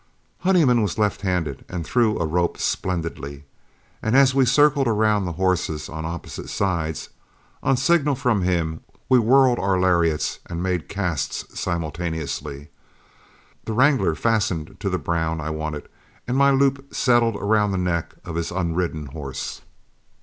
Honeyman was left handed and threw a rope splendidly; and as we circled around the horses on opposite sides, on a signal from him we whirled our lariats and made casts simultaneously. The wrangler fastened to the brown I wanted, and my loop settled around the neck of his unridden horse.